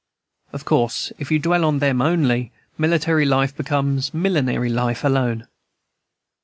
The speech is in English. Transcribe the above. Of course, if you dwell on them only, military life becomes millinery life alone.